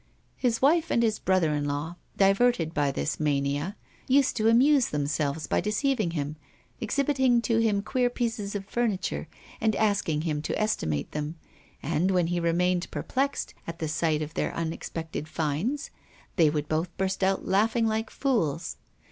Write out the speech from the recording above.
His wife and his brother in law, diverted by this mania, used to amuse themselves by deceiving him, exhibiting to him queer pieces of furniture and asking him to estimate them; and when he remained perplexed, at the sight of their unexpected finds, they would both burst out laughing like fools.